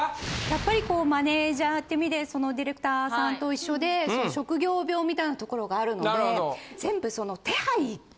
やっぱりこうマネージャーって身でそのディレクターさんと一緒で職業病みたいなところがあるので全部その。